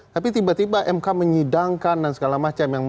tapi tiba tiba mk menyidangkan dan segala macam